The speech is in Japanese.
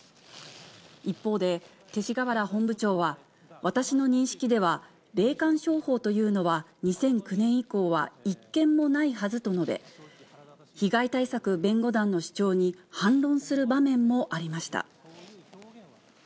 一方で、勅使河原本部長は、私の認識では、霊感商法というのは２００９年以降は一件もないはずと述べ、被害対策弁護団の主張に、反論する場面もありました。